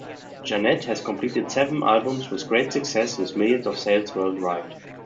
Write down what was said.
Jeanette has completed seven albums with great success with millions of sales worldwide.